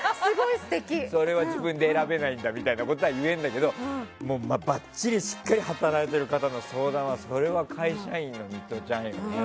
それは自分では選べないんだみたいなことは言えるんだけどばっちりしっかり働いている方の相談はそれは会社員のミトちゃんよね